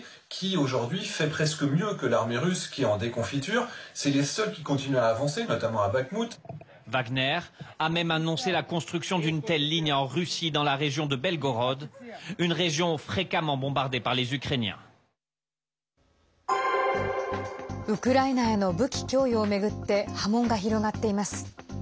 ウクライナへの武器供与を巡って波紋が広がっています。